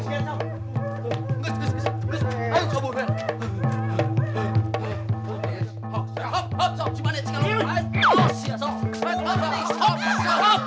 kalau dia udah punya istri